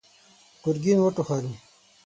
ګرګين وټوخل.